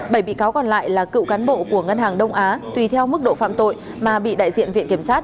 bảy bị cáo còn lại là cựu cán bộ của ngân hàng đông á tùy theo mức độ phạm tội mà bị đại diện viện kiểm sát